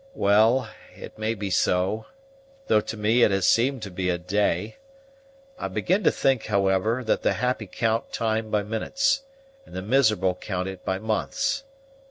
"Well, it may be so; though to me it has seemed to be a day. I begin to think, however, that the happy count time by minutes, and the miserable count it by months.